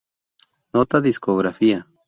Nota: Discografía.